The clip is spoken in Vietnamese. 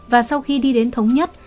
và sau khi đi đến thống nhất